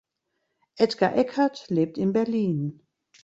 Edgar Eckert lebt in Berlin.